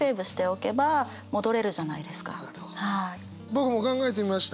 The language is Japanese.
僕も考えてみました。